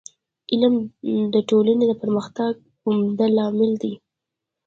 علم د ټولني د پرمختګ عمده لامل دی.